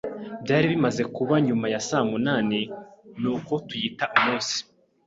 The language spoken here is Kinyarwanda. Byari bimaze kuba nyuma ya saa munani, nuko tuyita umunsi.